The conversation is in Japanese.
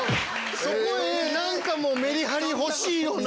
「そこへ何かメリハリ欲しいよな」。